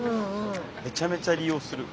めちゃめちゃ利用する。